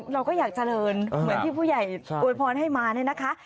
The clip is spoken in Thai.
เราก็อยากเจริญเหมือนที่ผู้ใหญ่อวยพรให้มาเนี่ยนะคะ